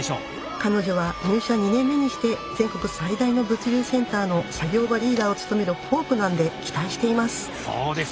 彼女は入社２年目にして全国最大の物流センターの作業場リーダーを務めるホープなんで期待しています！